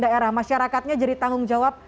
daerah masyarakatnya jadi tanggung jawab